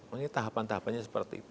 ini tahapan tahapannya seperti itu